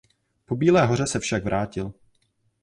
Po Bílé hoře se však vrátil.